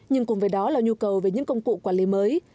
nhưng cùng với đó là nhu cầu về những công cụ quản lý mới